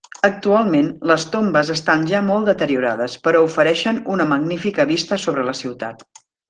Actualment, les tombes estan ja molt deteriorades però ofereixen una magnífica vista sobre la ciutat.